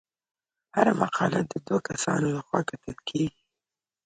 هره مقاله د دوه کسانو لخوا کتل کیږي.